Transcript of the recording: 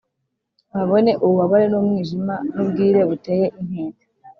babone ububabare n’umwijima, n’ubwire buteye inkeke.